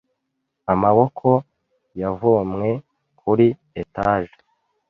amaboko yavomwe kuri etage.